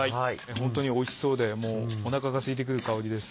ホントにおいしそうでおなかがすいてくる香りです。